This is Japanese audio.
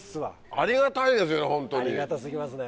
ありがたいですね